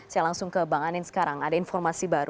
saya langsung ke bang anin sekarang ada informasi baru